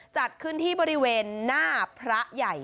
จัดขึ้นที่บริเวณหน้าพระใหญ่